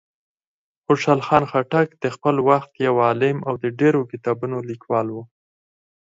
خوشحال خان خټک د خپل وخت یو عالم او د ډېرو کتابونو لیکوال و.